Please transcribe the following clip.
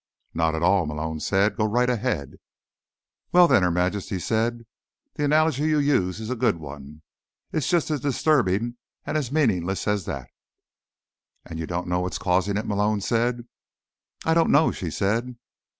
"Not at all," Malone said. "Go right ahead." "Well, then," Her Majesty said. "The analogy you use is a good one. It's just as disturbing and as meaningless as that." "And you don't know what's causing it?" Malone said. "I don't know," she said.